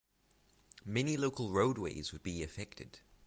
Many local roadways would be affected.